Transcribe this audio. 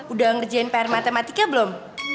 udah ngerjain pr matematika belum